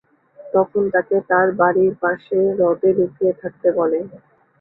তখন তাকে তার বাড়ির পাশে হ্রদে লুকিয়ে থাকতে বলে।